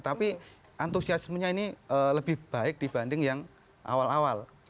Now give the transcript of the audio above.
tapi antusiasmenya ini lebih baik dibanding yang awal awal